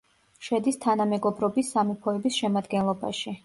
შედის თანამეგობრობის სამეფოების შემადგენლობაში.